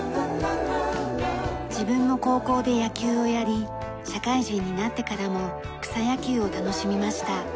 自分も高校で野球をやり社会人になってからも草野球を楽しみました。